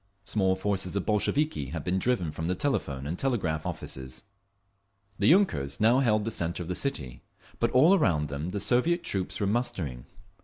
Small forces of Bolsheviki had been driven from the Telephone and Telegraph offices; the yunkers now held the centre of the city. … But all around them the Soviet troops were mustering.